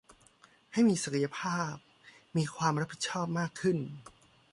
ให้มีศักยภาพมีความรับผิดชอบมากขึ้น